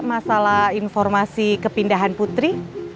masalah informasi kepindahan putri